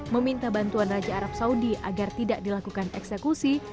meminta bantuan raja arab saudi agar tidak dilakukan eksekusi